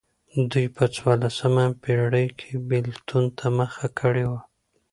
دوی په څوارلسمه پېړۍ کې بېلتون ته مخه کړې وه.